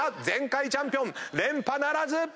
前回チャンピオン連覇ならず！